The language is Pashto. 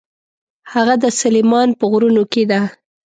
هغه د سلیمان په غرونو کې ده.